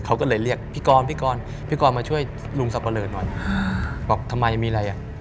เขาก็เลยเรียกพี่กรพี่กรพี่กรมาช่วยลุงสับปะเลอหน่อยบอกทำไมมีอะไรอ่ะ